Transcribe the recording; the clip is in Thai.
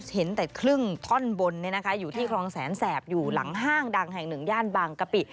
เห็นแต่ครึ่งท่อนบนอยู่ที่คลองแสนแสบอยู่หลังห้างดังแห่งหนึ่งย่านบางกะปิ